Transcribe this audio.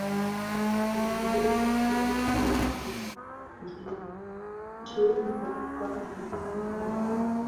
yaliyojengwa karne ya kumi na nne